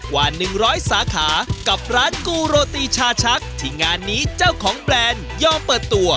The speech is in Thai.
ว่า๑๐๐สาขากับร้านกูโรตีชาชักที่งานนี้เจ้าของแบรนด์ยอมเปิดตัว